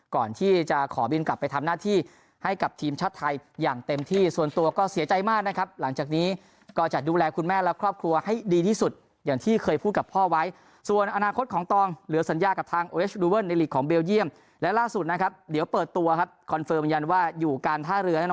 ก่อนที่จะขอบินกลับไปทำหน้าที่ให้กับทีมชาติไทยอย่างเต็มที่ส่วนตัวก็เสียใจมากนะครับหลังจากนี้ก็จะดูแลคุณแม่และครอบครัวให้ดีที่สุดอย่างที่เคยพูดกับพ่อไว้ส่วนอนาคตของตองเหลือสัญญากับทางโอเอสลูเวิลในลีกของเบลเยี่ยมและล่าสุดนะครับเดี๋ยวเปิดตัวครับคอนเฟิร์มยันว่าอยู่การท่าเรือน